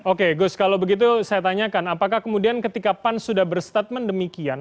oke gus kalau begitu saya tanyakan apakah kemudian ketika pan sudah berstatement demikian